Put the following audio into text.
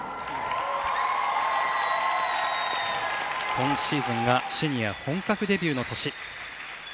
今シーズンがシニア本格デビューの年。